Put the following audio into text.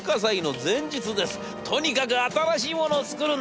『とにかく新しいものを作るんだ』。